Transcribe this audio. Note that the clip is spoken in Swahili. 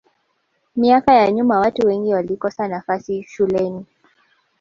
miaka ya nyuma watu wengi walikosa nafasi shuleni